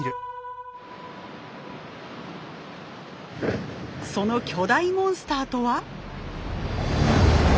その巨大モンスターとは。